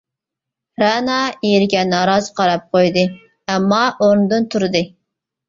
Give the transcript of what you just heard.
رەنا ئېرىگە نارازى قاراپ قويدى، ئەمما ئورنىدىن تۇردى.